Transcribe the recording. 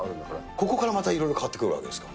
ここからいろいろ変わってくるわけですか。